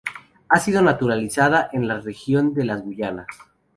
Ha sido naturalizada en la región de las Guayanas.